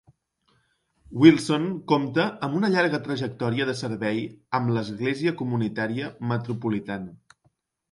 Wilson compta amb una llarga trajectòria de servei amb l'Església Comunitària Metropolitana.